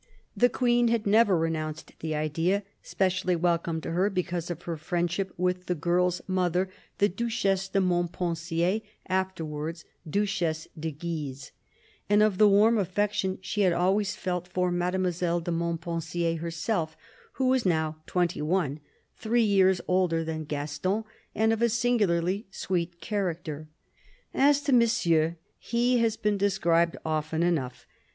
The Queen had never renounced the idea, specially welcome to her because of her friendship with the girl's mother, the Duchesse de Montpensier, afterwards Duchesse de Guise, and of the warm affection she had always felt for Mademoiselle de Montpensier herself, who was now twenty one, three years older than Gaston, and of a singularly sweet character. As to Monsieur, he has been described often enough.